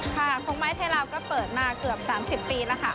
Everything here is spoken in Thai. คงไม้ไทยลาวก็เปิดมาเกือบ๓๐ปีแล้วค่ะ